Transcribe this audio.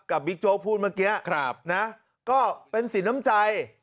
บิ๊กโจ๊กพูดเมื่อกี้นะก็เป็นสินน้ำใจ